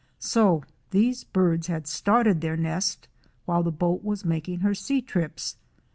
So these birds had started their nest while the boat was making her sea trips.